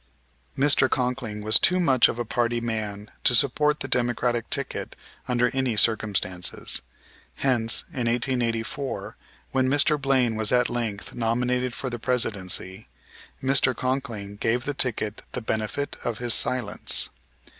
Mr. Conkling was too much of a party man to support the Democratic ticket under any circumstances, hence, in 1884, when Mr. Blaine was at length nominated for the Presidency, Mr. Conkling gave the ticket the benefit of his silence.